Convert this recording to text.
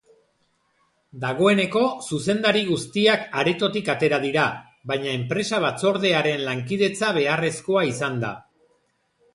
Dagoeneko zuzendari guztiak aretotik atera dira, baina enpresa-batzordearen lankidetza beharrezkoa izan da.